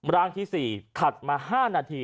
ร่างที่๔ถัดมา๕นาที